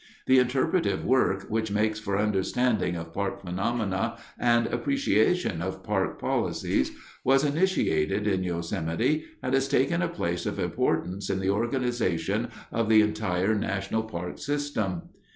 The interpretive work, which makes for understanding of park phenomena and appreciation of park policies, was initiated in Yosemite and has taken a place of importance in the organization of the entire national park system.